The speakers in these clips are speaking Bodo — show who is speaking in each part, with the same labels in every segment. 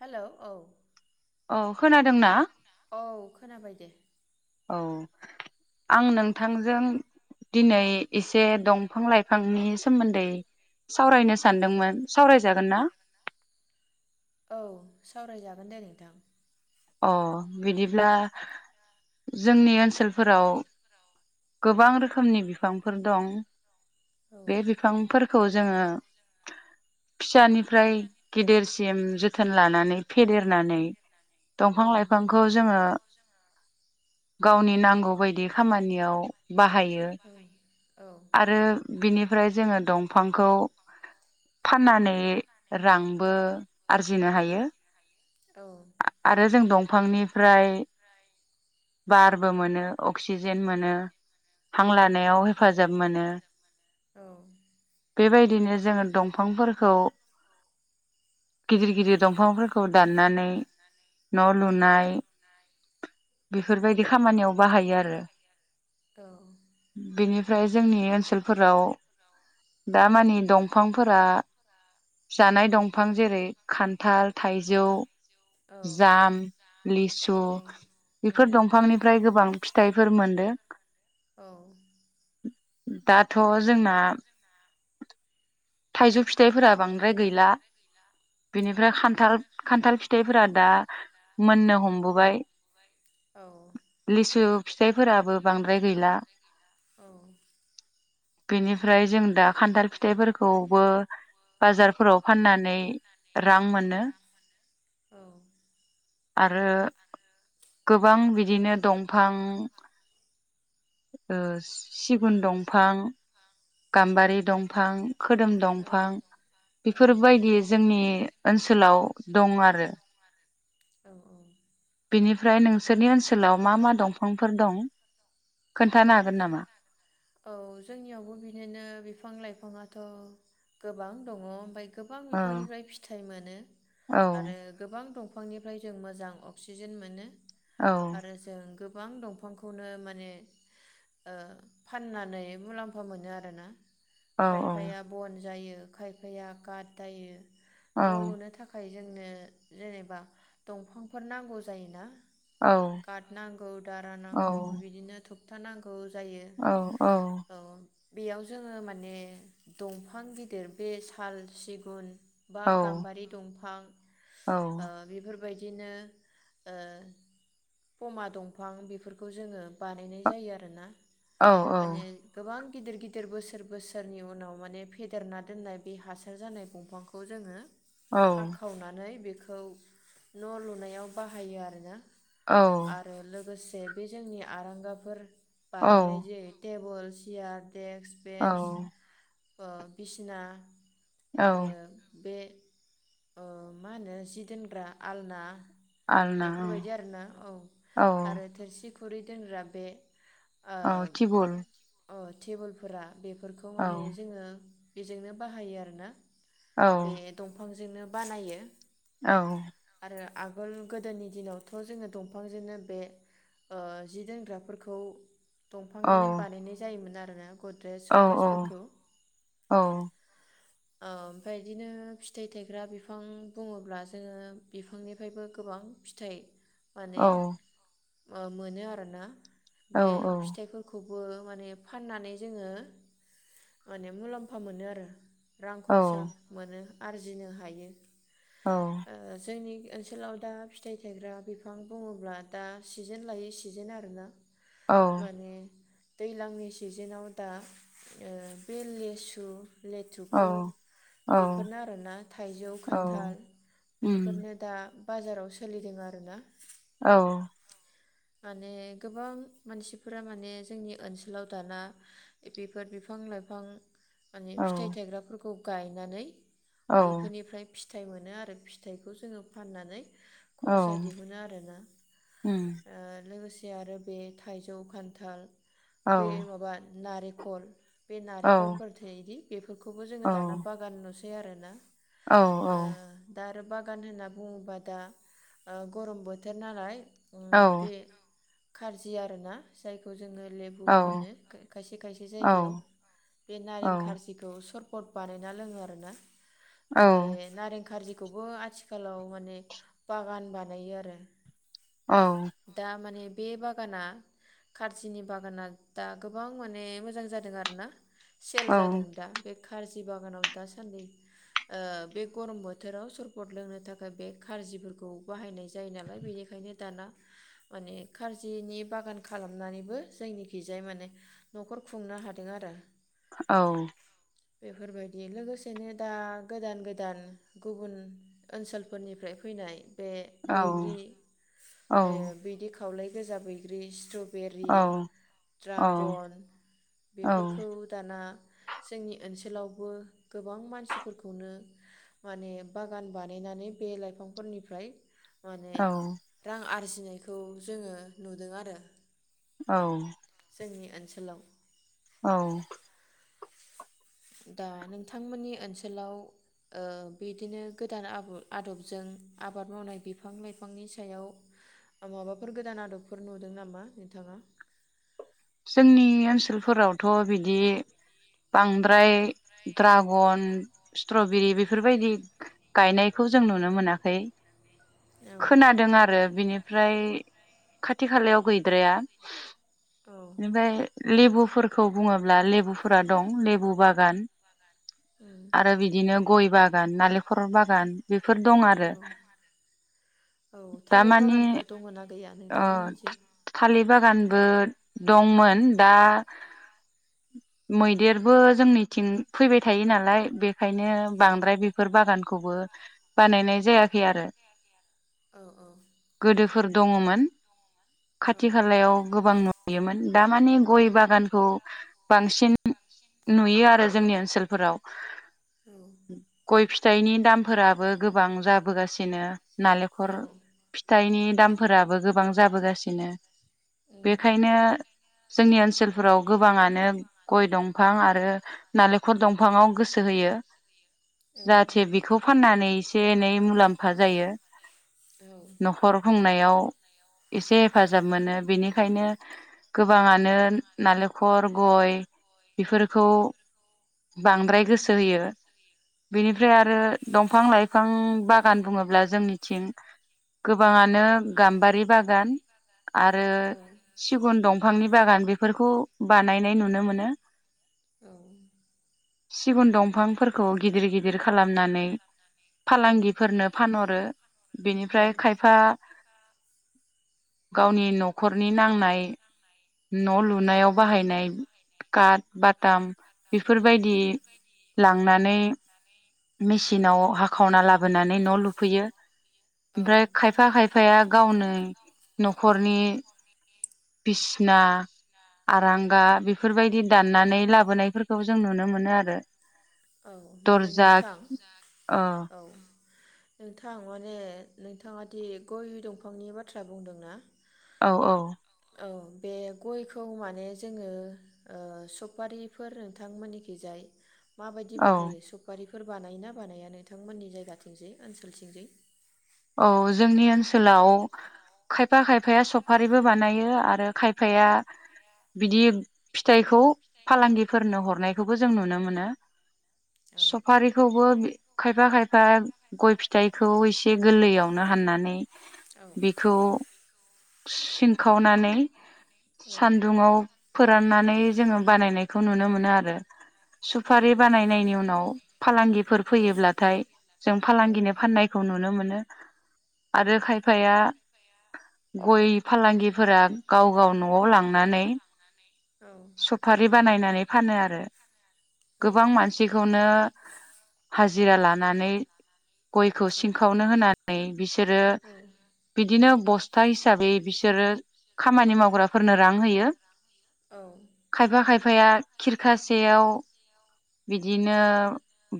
Speaker 1: हेल औ
Speaker 2: औ खोनादोंना
Speaker 1: औ खोनाबाय दे
Speaker 2: औ आं नोंथांजों दिनै एसे दंफां लाइफांनि सोमोन्दै सावरायनो सानदोंमोन सावरायजागोन ना
Speaker 1: औ सावरायजागोन दे नोंथां
Speaker 2: अ बिदिब्ला जोंनि ओनसोलफोराव गोबां रोखोमनि बिफांफोर दं
Speaker 1: औ
Speaker 2: बे बिफांफोर खौ जोङो फिसानिफ्राय गेदेरसिम जोथोन लानानै फेदेरनानै दंफां
Speaker 1: औ
Speaker 2: लाइफांखौ जोङो गावनि नांगौ बायदि खामानियाव बाहायो
Speaker 1: औ
Speaker 2: आरो बिनिफ्राय जोङो दंफांखौ फाननानै रांबो आरजिनो हायो
Speaker 1: औ
Speaker 2: आरो जों दंफांनिफ्राय बारबो मोनो अक्सिजेन मोनो हां
Speaker 1: औ
Speaker 2: लानायाव हेफाजाब मोनो
Speaker 1: औ
Speaker 2: बेबायदिनो जोङो दंफांफोरखौ गिदिर गिदिर दंफांफोरखौ दाननानै न लुनाय बेफोरबायदि खामानियाव बाहायो आरो
Speaker 1: औ
Speaker 2: फ्राय जोंनि ओनसोलफोराव दामानि दंफांफोरा जानाय
Speaker 1: औ
Speaker 2: दंफां जेरै खान्थाल थाइ जौ
Speaker 1: औ
Speaker 2: जाम लिसु
Speaker 1: औ औ
Speaker 2: बेफोर
Speaker 1: उम
Speaker 2: दंफांनिफ्राय गोबां फिथाइफोर मोनदों
Speaker 1: औ
Speaker 2: दाथ जोंना थाइजौ फिथाइफोरा बांद्राय गैला बिनिफ्राय खान्थाल खान्थाल फिथाइफोरा दा मोननो हमबोबाय
Speaker 1: औ
Speaker 2: लिसु फिथाइफोराबो बांद्राय गैला
Speaker 1: औ
Speaker 2: बेनिफ्राय जों दा खान्थाल फिथाइफोरखौबो बाजार फोराव फाननानै रां
Speaker 1: औ
Speaker 2: मोनो
Speaker 1: मोनो आलौ
Speaker 2: आरो गोबां बिदिनो दंफां ओ सिगुन दंफां गाम्बारि दंफां खोदोम दंफां
Speaker 1: औ
Speaker 2: बेफोरबायदि जोंनि ओनसोलाव दं आरो
Speaker 1: औ औ
Speaker 2: बिनिफ्राय नोंसोरनि ओनसोलाव मा मा दंफांफोर दं खोन्थानो हागोन नामा?
Speaker 1: औ जोंनियावबो बिदिनो बिफां लाइफाङा थ गोबां दङ ओमफ्राय गोबां
Speaker 2: औ
Speaker 1: बिफांनिफ्राय फिथाइ मोनो
Speaker 2: औ
Speaker 1: आरो गोबां दं बिफांनिफ्राय जों मोजां अक्सिजेन मोनो
Speaker 2: औ
Speaker 1: आरो जों गोबां दंफांखौनो माने ओ फाननानै मुलाम्फा मोनो आरोना
Speaker 2: औ
Speaker 1: खायफाया बन जायो खायफाया गाद जायो
Speaker 2: औ
Speaker 1: न' लुनो थाखाय जोंनो जेनेबा दंफांफोर नांगौ जायोना गाट नांगौ दारा
Speaker 2: औ
Speaker 1: नांगौ बिदिनो ट' था नांगौ [unintelligible] जायो
Speaker 2: औ औ
Speaker 1: औ बेयाव जोङो माने दंफां गिदिर बे साल, सिगुन बा
Speaker 2: औ
Speaker 1: गाम्बारि दंफां ओ बेफोर बेबायदिनो ओ पमा दंफां बेफोरखौ जोङो बानायनाय जायो आरो
Speaker 2: औ औ
Speaker 1: गोबां गिदिर गिदिर बोसोर बोसोरनि उनाव माने फेदेरना दोननाय बे हासार जानाय दंफांखौ जोङो
Speaker 2: औ
Speaker 1: हाखावनानै बेखौ खौ न लुनायाव बाहायो आरो ना आरो लोगोसे से बे जोंनि आरांगाफोर बानायनाय जायो जे टेबल, सियार डेक्स, बेन्स
Speaker 2: औ
Speaker 1: ओ बिसिना
Speaker 2: औ
Speaker 1: आरो बे ओ मा होनो जि दोनग्रा आलना
Speaker 2: आलना
Speaker 1: बेफोरबायदि आरोना औ
Speaker 2: औ
Speaker 1: आरो थोरसि खुरै दोनग्रा बे
Speaker 2: औ थिबोल
Speaker 1: अ टेबोलफोरा बेफोरखौ माने जोङो बेजोंनो बाहायो आरोना।
Speaker 2: औ
Speaker 1: बे दंफां जोंनो बानायो।
Speaker 2: औ
Speaker 1: रो आगोल गोदोनि दिनावथ' जोङो दंफांजोंनो बे ओ जि दोनग्राफोरखौ
Speaker 2: औ
Speaker 1: दंफांनिनो बानायनाय जायोमोन आरो [unintelligible] गद्रेज
Speaker 2: औ
Speaker 1: सकेसफोरखौ
Speaker 2: औ
Speaker 1: ओ ओमफ्राय बिदिनो फिथाइ थायग्रा बिफां बुङोब्ला जोङो बिफांनिफायबो गोबां फिथाइ माने ओ मोनो आरोना। बे फिथाइफोरखौ बो माने फाननानै जोङो माने मुलाम्फा मोनो आरो। रां खरसा मोनो। आरजिनो हायो।
Speaker 2: औ
Speaker 1: ओ जोंनि ओनसोलाव दा फिथाइ थायग्रा बिफां बुङोब्ला दा सिजोन लायै सिजोन आरोना। माने‌ दैलांनि सिजेनाव दा ओ बे लेसु लेथु खु
Speaker 2: औ
Speaker 1: बेफोरनो आरोना थाइजौ
Speaker 2: औ
Speaker 1: खान्थाल
Speaker 2: उम
Speaker 1: बेफोरनो दा बाजाराव सोलिदों आरोना।
Speaker 2: औ।
Speaker 1: माने गोबां मानसिफोरा माने जोंनि ओनसोलाव दाना बेफोर बिफां लाइफां माने
Speaker 2: औ
Speaker 1: फिथाइ थायग्राफोरखौ गायनानै
Speaker 2: औ
Speaker 1: बेफोरनिफ्राय फि फिथाइ मोनो आरो फिथाइखौ जोङो फाननानै
Speaker 2: औ
Speaker 1: खरसा दिहुनो आरोना।
Speaker 2: उम
Speaker 1: लोगोसे आरो बे थाइजौ खान्थाल बे
Speaker 2: औ
Speaker 1: माबा नारे खल। बे
Speaker 2: जोंनि
Speaker 1: नारेंखलफोर थायोदि फोरखौबो जोङो दाना बागानाव आरोना
Speaker 2: औ औ।
Speaker 1: ओ दा आरो बागान होनना बुङोबा दा ओ गरम बोथोर नालाय
Speaker 2: औ।
Speaker 1: कार्जि आरोना जायखौ जोङो लेबुबो होनो खायसे खायसे जायगायाव बे नारें खारजिखौ सर बट बानायना लोङो आरोना। बे नारें खारजि खौबो आथिखालाव माने बागान बानायो आरो
Speaker 2: औ
Speaker 1: दा माने बे बागाना खारजिनि बागाना दा गोबां माने मोजां जादों आरो ना सेल जादों दा बे खारजि बागानाव दासान्दि ओ बे गरम बोथोराव सरपद लोंनो थाखाय बे खारजिफोरखौ बाहायनाय जायो नालाय बेनिखायनो दाना माने खारजिनि बागान खालामनानैबो जोंनिखैजाय माने नखर खुंनो हादों आरो
Speaker 2: औ
Speaker 1: बेफोरबायदि लोगोसेनो दा गोदान गोदान गुबुन ओनसोलफोरनिफ्राय फैनाय बे
Speaker 2: औ
Speaker 1: बैग्रि
Speaker 2: औ
Speaker 1: ओ बैदि खावलाय गोजा बैग्रि स्टप बेरि ड्रागन बेफोरखौ दाना जोंनि ओनसोलावबो गोबां मानसिफोरखौनो माने बागान बानायनानै बे लाइफांफोरनिफ्राय माने रां आरजिनो खौ जोङो नुदों आरो।
Speaker 2: औ
Speaker 1: जोंनि ओनसोलाव
Speaker 2: औ
Speaker 1: दा नोंथांमोननि ओनसोलाव ओ बिदिनो गोदान आबु-आदबजों आबाद मावनाय बिफां लाइफांनि सायाव माबाफोर गोदान आदबफोर नुदों नामा नोंथाङा?
Speaker 2: जोंनि ओनसोलफोरावथ बिदि बांद्राय ड्रागन स्ट्रबेरि बेफोरबायदि गायनायखौ जों नुनो मोनाखै।
Speaker 1: औ
Speaker 2: खोनादों आरो बिनि ओमफ्राय खाथि खालायाव गैद्राया।
Speaker 1: औ उम
Speaker 2: बेनिफ्राय लेबुफोरखौ बुङोब्ला लेबुफोरा दं लेबु बागान आरो बिदिनो गय बागान नालेंखर बागान बेफोर दं
Speaker 1: औ
Speaker 2: आरो
Speaker 1: औ थालिर बागानफोर दङना गै
Speaker 2: अ थालिर बागान ओ दंमोन दा मैदेरबो जोंनिथिं फैबाय थायो नालाय बे ओंखायनो
Speaker 1: औ
Speaker 2: बांद्राय बेफोर बागान खौबो बानायनाय जायाखै आरो
Speaker 1: औ औ
Speaker 2: गोदोफोर दङमोन
Speaker 1: औ
Speaker 2: खाथि खालायाव गोबां नु योमोन दा माने गय बागानखौ बांसिन नुयो आरो जोंनि ओनसोलफोराव
Speaker 1: औ
Speaker 2: गय फिथाइनि दामफोराबो गोबां जाबोगासिनो दिनो नालेंखर
Speaker 1: औ
Speaker 2: फिथाइनि फोराबो गोबां जाबोगासिनो
Speaker 1: उम
Speaker 2: बेखायनो जोंनि ओनसोलफोराव गोबाङानो गय दंफां आरो नालेंखर दंफाङाव गोसो होयो।
Speaker 1: औ
Speaker 2: जाहाथे बिखौ फाननानै एसे एनै मुलाम्फा जायो। न'खर खुंनाय याव एसे
Speaker 1: उम
Speaker 2: हेफाजाब मोनो बेनिखायनो गोबाङानो नालेखर गय बेफोरखौ बांद्राय गोसो होयो। बेनिफ्राय
Speaker 1: औ
Speaker 2: आरो दं बिफां लाइफां बागान बुङोब्ला जोंनिथिं गोबाङानो गाम्बारि बाग गान आरो सिगुन दं बिफांनि बागान बेफोरखौ बानायनाय नुनो मोनो।
Speaker 1: [inaudible]
Speaker 2: सिगुन दंफांफोरखौ गिदिर गिदिर खालामनानै
Speaker 1: औ औ
Speaker 2: फालांगिफोरनो फानहरो बेनिफ्राय खायफा गावनि न'खरनि नांनाय न' लुनायाव बाहायनाय काट बाटाम बेफोरबायदि लांनानै मेसिनाव हाखावना लाबोनानै न' लुफैयो
Speaker 1: औ
Speaker 2: ओमफ्राय खायफा खायफाया नै न'खरनि बिसिना आरांगा बेफोरबायदि दाननानै लाबोनायफोरखौ जों नुनो मोनो आरो
Speaker 1: औ माने
Speaker 2: दर्जा
Speaker 1: नोंथां औ नोंथां माने नोंथाङा दि गय दंफांनि बाथ्रा बुंदोंना?
Speaker 2: औ औ
Speaker 1: औ बे गयखौ माने जोङो ओ सपारिफोर नोंथांमोननिखैजाय माबायदि
Speaker 2: औ
Speaker 1: बाहायो सुपारि फोर बानायोना बानाया नोंथांमोननि जायगाथिंजै ओनसोलथिंजै?
Speaker 2: औ जोंनि ओनसोलाव खायफा खायफाया सफारिबो बानायो आरो खायफाया बिदि फिथाइखौ फालांगिफोरनो हरनायखौबो जों नुनो मोनो।
Speaker 1: औ
Speaker 2: सफारिखौबो खायफा खायफा गय फिथाइखौ एस ए गोरलैयावनो हाननानै
Speaker 1: औ
Speaker 2: बिखौ सिनखावनानै सानदुङाव फोराननानै जोङो बानायनायखौ नुनो मोनो आरो
Speaker 1: औ
Speaker 2: सुपारि बानायनायनि उनाव फालांगिफोर फैयोब्लाथाय जों फालांगिनो फाननायखौ नुनो मो नो
Speaker 1: फाननायखौ
Speaker 2: आरो खायफाया गय फालांगिफोरा गाव गाव न'आव लांनानै
Speaker 1: औ
Speaker 2: सफारि बानायनानै फानो आरो
Speaker 1: औ
Speaker 2: गोबां
Speaker 1: औ
Speaker 2: मानसिखौनो हाजिरा लानानै गयखौ
Speaker 1: औ
Speaker 2: सिंखावनो होना बिसोरो बिदिनो बस्था हिसाबै बिसोरो खामानि मावग्राफोरनो रां होयो।
Speaker 1: औ
Speaker 2: खायफा खायफाया खिरखासेयाव बिदिनो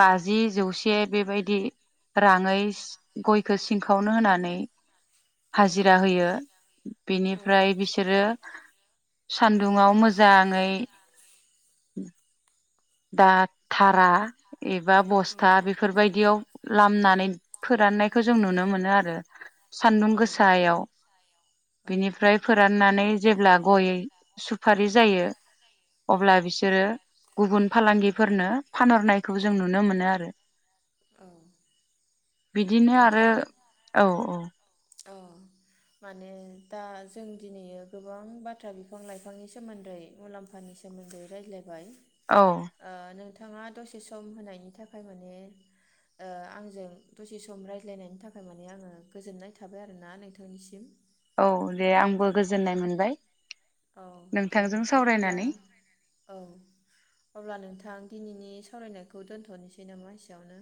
Speaker 2: बाजि, जौसे बेबायदि राङै गयखौ सिंखावनो होनानै
Speaker 1: औ
Speaker 2: हाजिरा होयो बेनिफ्राय बिसोरो सान दुंआव मोजाङै दा थारा एबा बस्था बेफोरबायदियाव लामनानै फोराननायखौ जों नुनो मोनो आरो सानदुं गोसायाव। बिनिफ्राय फोराननानै जेब्ला गय सुफारि जायो अब्ला बिसोरो गुबुन फालांगिफोरनो फानहरनायखौ जों नुनो मोनो आरो।
Speaker 1: औ।
Speaker 2: बिदिनो आरो औ औ।
Speaker 1: अ माने दा जों दिनै गोबां बाथ्रा बिफां लाइफांनि सोमोन्दै मुलाम्फानि सोमोन्दै रायज्लायबाय।
Speaker 2: औ
Speaker 1: ओ नों थाङा दसे सम होनायनि थाखाय माने ओ आंजों दसे सम रायज्लायनायनि थाखाय माने आङो गोजोननाय थाबाय आरोना नोंथांनिसिम।
Speaker 2: औ दे आंबो गोजोननाय मोनबाय।
Speaker 1: औ दे
Speaker 2: नोंथांजों
Speaker 1: नोंथां अब्ला
Speaker 2: सावरायनानै।
Speaker 1: औ अब्ला नोंथां दिनैनि सावरायनायखौ दोन्थ'नोसै नामा एसेयावनो?